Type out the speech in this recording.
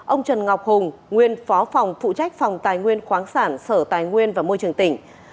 ông trần ngọc hùng nguyên phó phòng phụ trách phòng tài nguyên khoáng sản sở tài nguyên và môi trường tỉnh